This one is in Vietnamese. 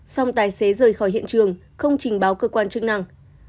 xong tài xế rời khỏi hiện trường không trình báo cơ quan chức năng